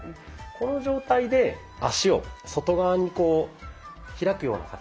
この状態で足を外側にこう開くような形。